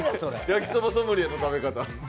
焼きそばソムリエの食べ方。